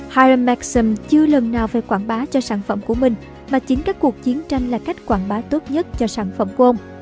hiram maxim chưa lần nào phải quảng bá cho sản phẩm của mình mà chính các cuộc chiến tranh là cách quảng bá tốt nhất cho sản phẩm của ông